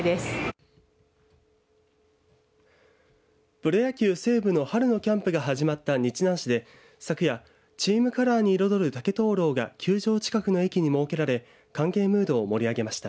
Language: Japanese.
プロ野球、西武の春のキャンプが始まった日南市で昨夜チームカラーに彩る竹灯籠が球場近くの駅に設けられ歓迎ムードを盛り上げました。